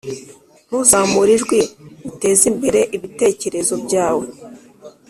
"ntuzamure ijwi, utezimbere ibitekerezo byawe."